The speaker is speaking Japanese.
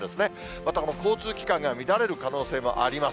またこの交通機関が乱れる可能性もあります。